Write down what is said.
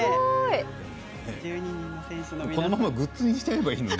このままグッズにしちゃえばいいのに。